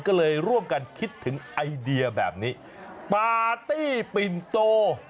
ก็เลยร่วมกันคิดถึงไอเดียแบบนี้ปาร์ตี้ปิ่นโต